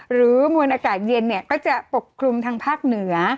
หรือมวลอากาศเย็นก็จะปกคลุมทางภาคเหนือ